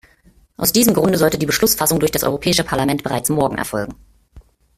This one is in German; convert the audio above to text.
Aus diesem Grunde sollte die Beschlussfassung durch das Europäische Parlament bereits morgen erfolgen.